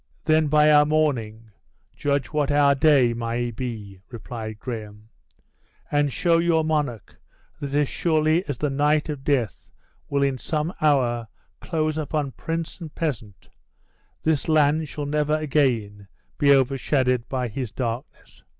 "Then by our morning judge what our day may be," replied Graham; "and show your monarch that as surely as the night of death will in some hour close upon prince and peasant, this land shall never again be overshadowed by his darkness."